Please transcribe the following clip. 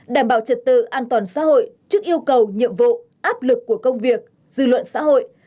đảm bảo trật tự an toàn xã hội trước yêu cầu nhiệm vụ áp lực của công việc dư luận xã hội